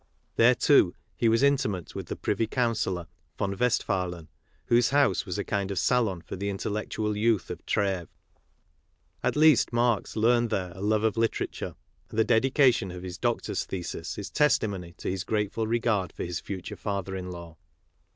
There, too, he was intimate with the Privy Councillor, von West phalen, whose house was a kind of salon for the intel lectual youth of Treves. At least Marx learned there a love of literature, and the dedication of his doctor's thesis is testimony to his grateful regard for his future father in law.